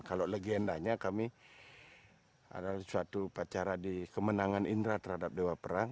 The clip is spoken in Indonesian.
kalau legendanya kami adalah suatu upacara di kemenangan indra terhadap dewa perang